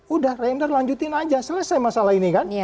udah render lanjutin aja selesai masalah ini kan